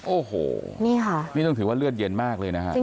โอ้โหนี่ค่ะนี่ต้องถือว่าเลือดเย็นมากเลยนะฮะ